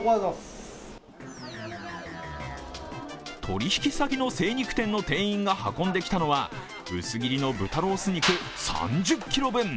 取引先の精肉店の店員が運んできたのは薄切りの豚ロース肉３０ｋｇ分。